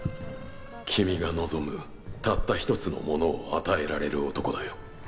君が望む、たった一つのものを与えられる男だよ。